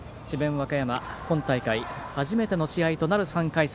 和歌山、今大会初めての試合となる３回戦。